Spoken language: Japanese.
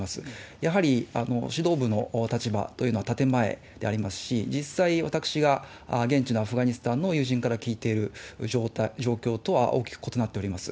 やはり指導部の立場というのは建前でありますし、実際、私が現地のアフガニスタンの友人から聞いてる状況とは大きく異なっております。